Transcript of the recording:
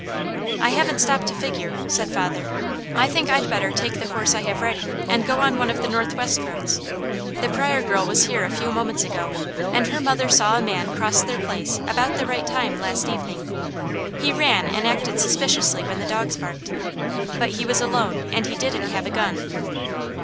"I haven't stopped to figure," said father. "I think I'd better take the horse I have ready and go on one of the northwest roads. The Pryor girl was here a few moments ago, and her mother saw a man cross their place about the right time last evening. He ran and acted suspiciously when the dogs barked. But he was alone and he didn't have a gun."